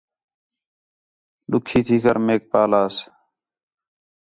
ݙُکّھی تھی کر میک پالاس